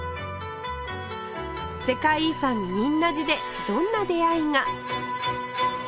世界遺産仁和寺でどんな出会いが？